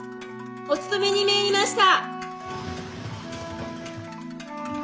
おつとめに参りました。